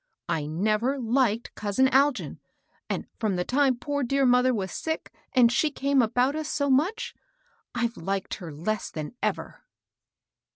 I (27) 28 MABEL KOSS. never liked •ousin Algin ; and from the time poor dear mother was sick, and she came about us so much, I've liked her less than ever."